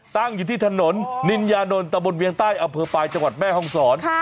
ตั้งอยู่ที่ถนนนินยานนทตะบนเวียงใต้อำเภอปลายจังหวัดแม่ห้องศร